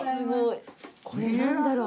これ何だろう？